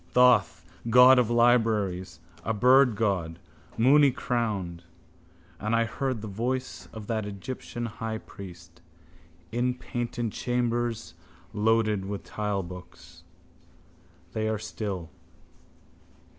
Thoth, god of libraries, a birdgod, moonycrowned. And I heard the voice of that Egyptian highpriest. In painted chambers loaded with tilebooks. They are still.